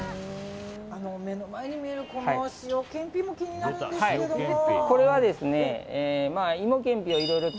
目の前に見えるこの塩けんぴも気になるんですけれども。